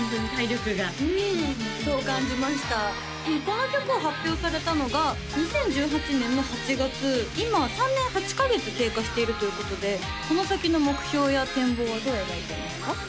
この曲を発表されたのが２０１８年の８月今３年８カ月経過しているということでこの先の目標や展望はどう描いていますか？